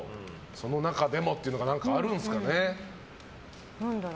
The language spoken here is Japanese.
その中でもっていうのがあるんですかね。